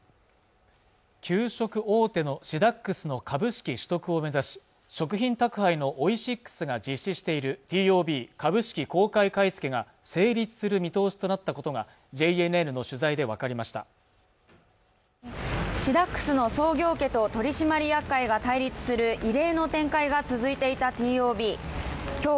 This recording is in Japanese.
給食大手のシダックスの株式取得を目指し食品宅配のオイシックスが実施しているＴＯＢ＝株式公開買い付けが成立する見通しとなったことがＪＮＮの取材で分かりましたシダックスの創業家と取締役会が対立する異例の展開が続いていたＴＯＢきょう